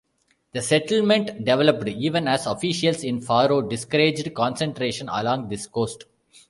The settlement developed even as officials in Faro discouraged concentration along this coast.